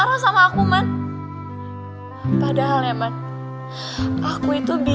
kamu tak usah pake ganti